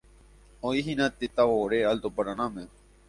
Oĩhína tetãvore Alto Paranáme.